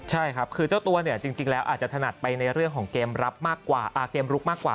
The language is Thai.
ใช่ครับคือเจ้าตัวจริงแล้วอาจจะถนัดไปในเรื่องของเกมรุกมากกว่า